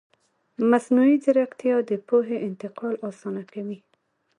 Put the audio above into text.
مصنوعي ځیرکتیا د پوهې انتقال اسانه کوي.